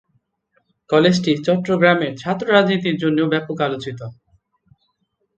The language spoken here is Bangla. কলেজটি চট্টগ্রামের ছাত্র রাজনীতির জন্যেও ব্যাপক আলোচিত।